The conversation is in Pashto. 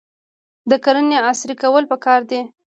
د کرنې عصري کول پکار دي.